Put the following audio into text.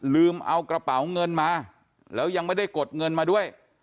ลืมเอากระเป๋าเงินมาแล้วยังไม่ได้กดเงินมาด้วย